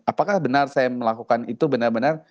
apakah benar saya melakukan itu benar benar